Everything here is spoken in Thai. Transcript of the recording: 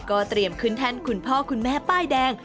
เตรียมขึ้นแท่นคุณพ่อคุณแม่ป้ายแดง